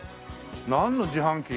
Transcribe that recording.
なんの自販機？